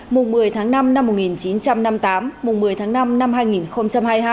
mùng một mươi tháng năm năm một nghìn chín trăm năm mươi tám mùng một mươi tháng năm năm hai nghìn hai mươi hai